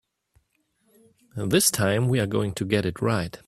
This time we're going to get it right.